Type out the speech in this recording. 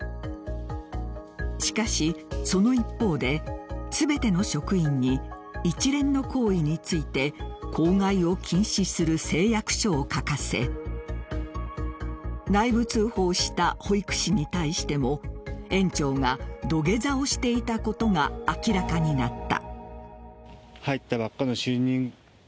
しかし、その一方で全ての職員に一連の行為について口外を禁止する誓約書を書かせ内部通報した保育士に対しても園長が土下座をしていたことが明らかになった。